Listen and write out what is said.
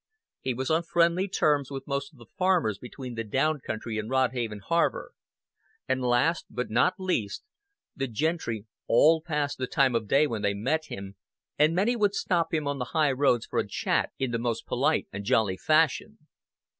He was on friendly terms with most of the farmers between the down country and Rodhaven Harbor; and last, but not least, the gentry all passed the time of day when they met him, and many would stop him on the high roads for a chat in the most polite and jolly fashion.